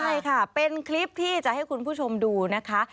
ใช่ค่ะเป็นคลิปที่จะให้คุณผู้ชมดูนะคะ